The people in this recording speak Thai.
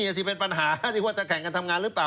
สิเป็นปัญหาที่ว่าจะแข่งกันทำงานหรือเปล่า